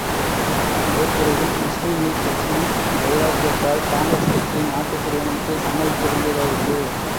இதற்கிடையில், முஸ்லீம் லீக் கட்சியின் வைராக்கியத்தால், காங்கிரஸ் கட்சி நாட்டுப் பிரிவினைக்குச் சம்மதிக்க வேண்டியதாயிற்று.